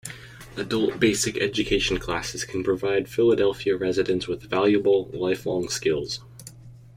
Adult Basic Education classes can provide Philadelphia residents with valuable, lifelong skills.